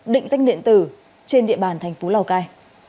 định danh điện tử trên địa bàn thành phố lào cai